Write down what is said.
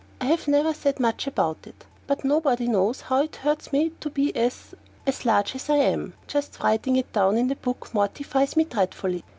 I have never said much about it, but nobody knows how it hurts me to be as large as I am. Just writing it down in a book mortifies me dreadfully.